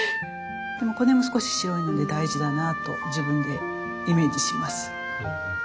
でこの辺も少し白いので大事だなと自分でイメージします。